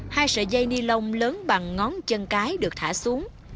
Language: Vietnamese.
hai sợi dây ni lông lớn bằng ngón chân cái được thả xuống